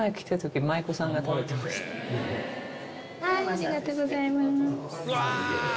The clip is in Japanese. ありがとうございます。